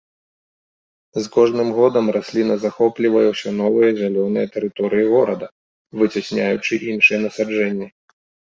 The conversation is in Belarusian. З кожным годам расліна захоплівае ўсё новыя зялёныя тэрыторыі горада, выцясняючы іншыя насаджэнні.